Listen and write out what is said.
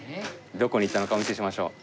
どこに行ったのかお見せしましょう。